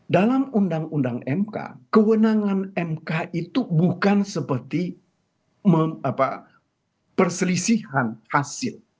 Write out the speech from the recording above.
dalam undang undang mk kewenangan mk itu bukan seperti perselisihan hasil